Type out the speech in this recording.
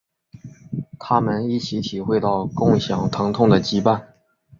他们一起体会到共享疼痛的羁绊。